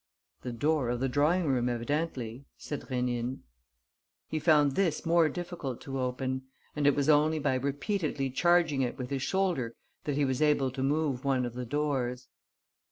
"The door of the drawing room, evidently," said Rénine. He found this more difficult to open; and it was only by repeatedly charging it with his shoulder that he was able to move one of the doors.